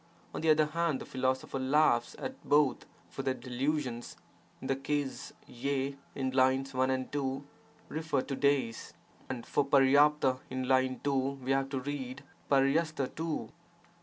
On the other hand the philosopher laughs at both for their delusions.' In this case q in lines 1 and 2 refer to days, and for H<(N in line 2 we have to read h4hi too.